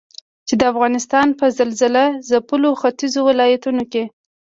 چې د افغانستان په زلزلهځپلو ختيځو ولايتونو کې